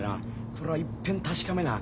これはいっぺん確かめなあ